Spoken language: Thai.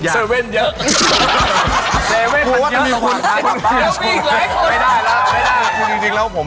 แต่ว่ามันได้ผลนะพี่